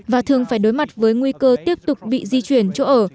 và thường phải đối mặt với nguy cơ tiếp tục bị di chuyển chỗ ở